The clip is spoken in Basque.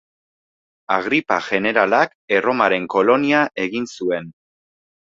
Agripa jeneralak Erromaren kolonia egin zuen.